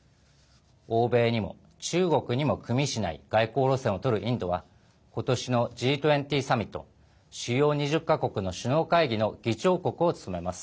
欧米にも中国にも組しない外交路線をとるインドは今年のＧ２０サミット主要２０か国の首脳会議の議長国を務めます。